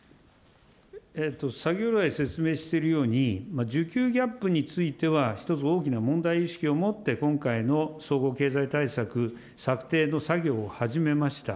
先ほど来説明しているように、需給ギャップについては、一つ大きな問題意識を持って、今回の総合経済対策策定の作業を始めました。